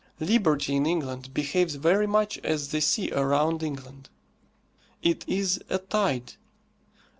Liberty in England behaves very much as the sea around England. It is a tide.